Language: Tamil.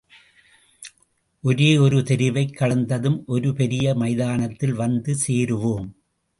ஒரே ஒரு தெருவைக் கடந்ததும், ஒரு பெரிய மைதானத்தில் வந்து சேருவோம்.